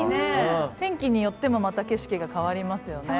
天気によってもまた景色が変わりますよね。